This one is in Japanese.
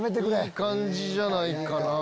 いい感じじゃないかな。